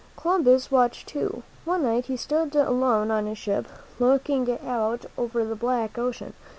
Columbus watched too. One night he stood alone on his ship, looking out over the black ocean.